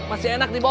masih enak dibongi